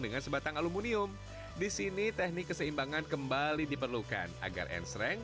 dengan sebatang aluminium di sini teknik keseimbangan kembali diperlukan agar nsreng